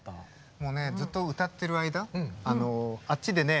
もうねずっと歌ってる間あっちでね